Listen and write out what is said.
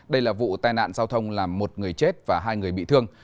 đây là vụ tai nạn giao thông làm một người chết và hai người bị thương